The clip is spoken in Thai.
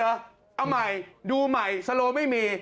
เอาใหม่ดูใหม่สโลไม่มี